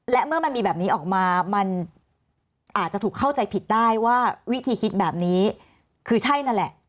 และเมื่อมันมีแบบนี้ออกมามันอาจจะถูกเข้าใจผิดได้ว่าวิธีคิดแบบนี้คือใช่นั่นแหละ